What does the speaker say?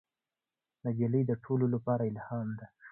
نجلۍ د ټولو لپاره الهام ده.